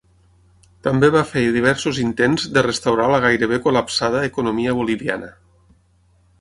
També va fer diversos intents de restaurar la gairebé col·lapsada economia boliviana.